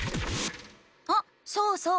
あそうそう！